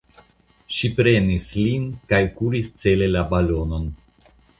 Ŝi prenis lin kaj kuris cele la balonon.